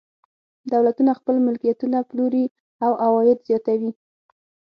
دولتونه خپل ملکیتونه پلوري او عواید زیاتوي.